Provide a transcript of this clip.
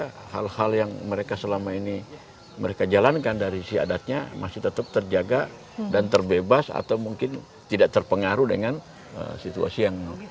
karena hal hal yang mereka selama ini mereka jalankan dari si adatnya masih tetap terjaga dan terbebas atau mungkin tidak terpengaruh dengan situasi yang